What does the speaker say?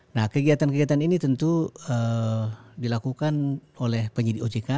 nah kegiatan kegiatan ini tentu dilakukan oleh penyidik ojk